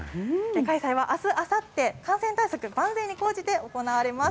開催はあす、あさって、感染対策、万全に講じて行われます。